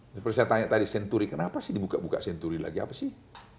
seperti saya tanya tadi senturi kenapa sih dibuka buka senturi lagi apa sih